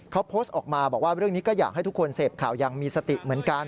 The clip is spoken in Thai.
เขาโพสต์ออกมาบอกว่าเรื่องนี้ก็อยากให้ทุกคนเสพข่าวยังมีสติเหมือนกัน